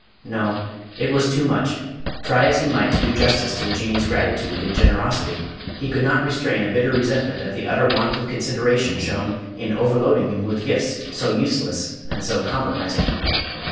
No, it was too much. Try as he might to do justice to the Jinnee's gratitude and generosity, he could not restrain a bitter resentment at the utter want of consideration shown in overloading him with gifts so useless and so compromising.